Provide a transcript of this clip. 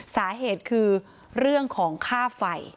สาเหตุคือเรื่องของค่าไฟ